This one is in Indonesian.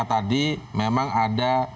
tadi memang ada